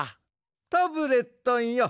タブレットンよ